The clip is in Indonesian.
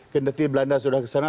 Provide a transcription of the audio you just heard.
kedati belanda sudah kesana